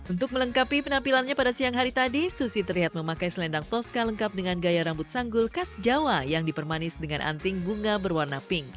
untuk melengkapi penampilannya pada siang hari tadi susi terlihat memakai selendang toska lengkap dengan gaya rambut sanggul khas jawa yang dipermanis dengan anting bunga berwarna pink